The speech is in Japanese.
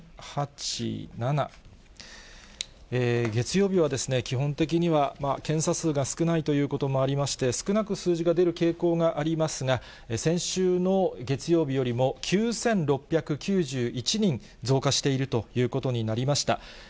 月曜日は基本的には検査数が少ないということもありまして、少なく数字が出る傾向がありますが、先週の月曜日よりも９６９１人増加しているということになりました。